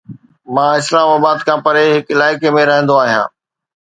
مان اسلام آباد کان پري هڪ علائقي ۾ رهندو آهيان